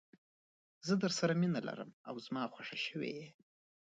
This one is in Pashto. زه درسره مینه لرم او زما خوښه شوي یې.